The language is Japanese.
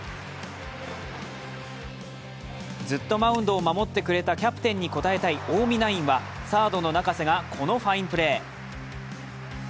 ずっとマウンドを守ってくれたキャプテンに応えたい近江ナインはサードの中瀬がこのファインプレー。